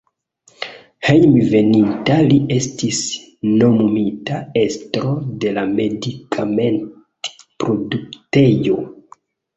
Hejmenveninta li estis nomumita estro de la medikamentproduktejo.